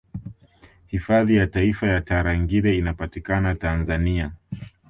Hifadhi ya Taifa ya Tarangire inapatikana Tanzania